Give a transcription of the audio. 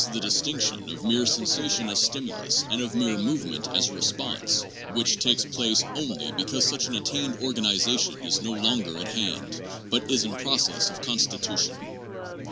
the distinction of mere sensa tion as stimulus and of mere movement as response, which takes place only because such an attained organization is no longer at hand, but is in process of constitution.